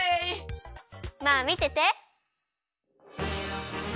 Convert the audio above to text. まあみてて。